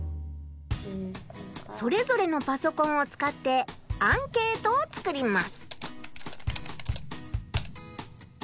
それぞれのパソコンを使ってアンケートを作ります。